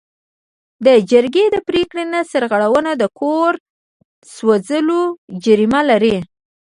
د جرګې د پریکړې نه سرغړونه د کور سوځول جریمه لري.